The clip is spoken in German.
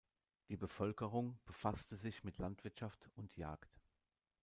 Die Bevölkerung befasste sich mit Landwirtschaft und Jagd.